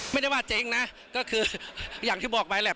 ไม่ได้ว่าเจ๊งนะก็คืออย่างที่บอกไปแหละ